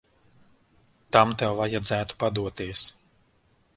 Tam tev vajadzētu padoties.